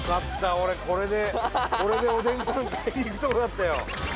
俺これでこれでおでん缶買いに行くところだったよ。